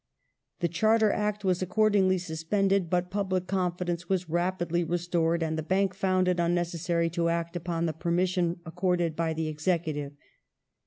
The Charter Act was accordingly suspended, but public confidence was rapidly restored, and the Bank found it unnecessary to act upon the permission accorded by the Executive.